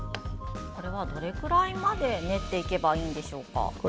どれくらいまで練っていけばいいんでしょうか。